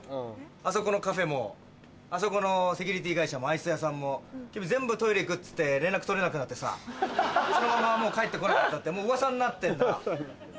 あそこのカフェもあそこのセキュリティー会社もアイス屋さんも君全部「トイレ行く」っつって連絡取れなくなってさそのまま帰って来なかったって噂になってんだ。